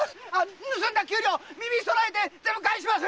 盗んだ九両耳を揃えて全部返します。